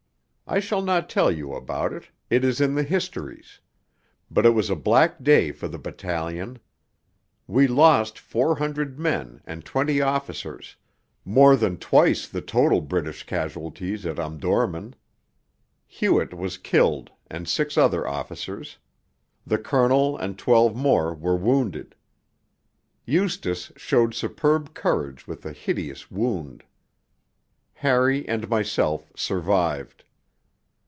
I shall not tell you about it (it is in the histories); but it was a black day for the battalion. We lost 400 men and 20 officers, more than twice the total British casualties at Omdurman. Hewett was killed and six other officers, the Colonel and twelve more were wounded. Eustace showed superb courage with a hideous wound. Harry and myself survived.